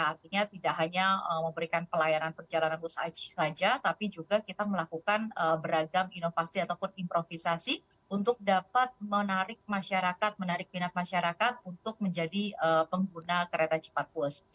artinya tidak hanya memberikan pelayanan perjalanan bus aj saja tapi juga kita melakukan beragam inovasi ataupun improvisasi untuk dapat menarik masyarakat menarik minat masyarakat untuk menjadi pengguna kereta cepat puas